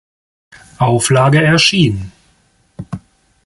Auflage erschienen.